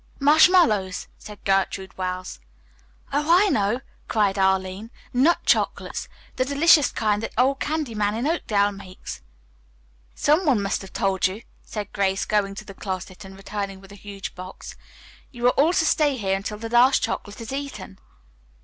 "Marshmallows," said Gertrude Wells. "Oh, I know," cried Arline. "Nut chocolates; the delicious kind that old candy man in Oakdale makes." "Some one must have told you," said Grace, going to the closet and returning with a huge box. "You are all to stay here until the last chocolate is eaten."